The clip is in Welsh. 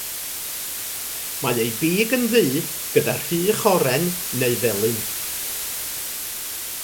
Mae ei big yn ddu gyda rhych oren neu felyn.